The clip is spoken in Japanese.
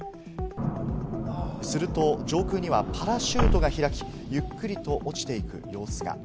すると上空にはパラシュートが開き、ゆっくりと落ちていく様子が。